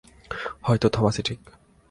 হয়ত থমাসই ঠিক।